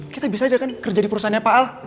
kita bisa aja kan kerja di perusahaannya pak al